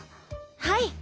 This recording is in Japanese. はい。